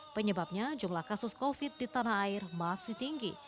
penyebabnya jumlah kasus covid di tanah air masih tinggi